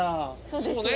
そうですね。